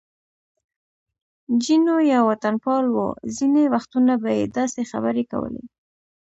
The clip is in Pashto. جینو یو وطنپال و، ځینې وختونه به یې داسې خبرې کولې.